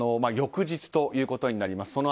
翌日ということになります。